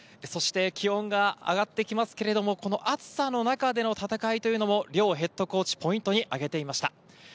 気温が上がってきますけれども、この暑さの中での戦いというのも両ヘッドコーチ、ポイントに挙げていました。